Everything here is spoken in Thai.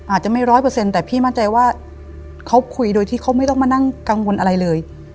อาจจะไม่ร้อยเปอร์เซ็นต์แต่พี่มั่นใจว่าเขาคุยโดยที่เขาไม่ต้องมานั่งกังวลอะไรเลย